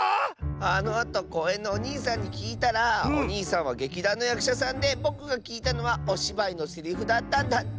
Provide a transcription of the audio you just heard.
あのあとこうえんのおにいさんにきいたらおにいさんは劇団のやくしゃさんでぼくがきいたのはおしばいのセリフだったんだって！